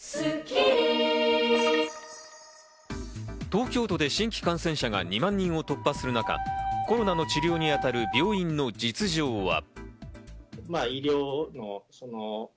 東京都で新規感染者が２万人を突破する中、コロナの治療に当たる病院の実情は。